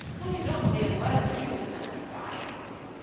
I could not say a word if you wei*e standing by."